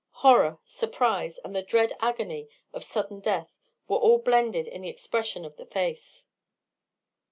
Horror, surprise, and the dread agony of sudden death were all blended in the expression of the face.